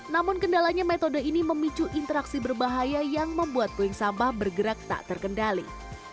namun kendalanya metode ini memicu interaksi berbahaya yang membuat puing sampah bergerak tak terkendali